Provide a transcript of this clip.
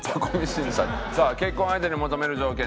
さあ「結婚相手に求める条件